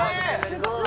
すごい。